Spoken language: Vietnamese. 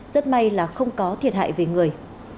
rất may là không có thiệt hại về người